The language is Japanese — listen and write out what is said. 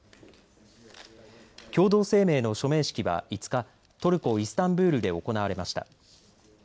共同声明の署名式は５日トルコ・イスタンブールで行われました。